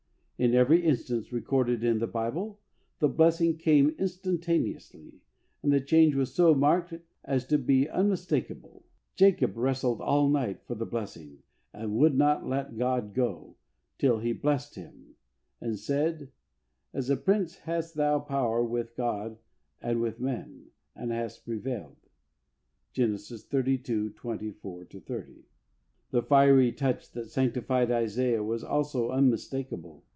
In every instance recorded in the Bible the blessing came instan taneously, and the change w'as so marked as to be unmistakable. Jacob wrestled all night for the blessing and would not let God go till He blessed him, and said: "As a prince hast thou power with God and with men, and hast prevailed " \Gen. xxxii. 24 30). The fiery touch that sanctified Isaiah was also unmistakable.